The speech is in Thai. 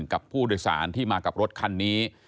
กับผู้โดยสารที่มากับรถคันนี้